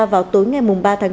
vào tối ngày ba tháng bốn